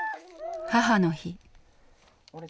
母の日。